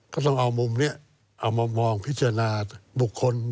ก็ต้องเอามุมนี้เอามามองพิจารณาบุคคล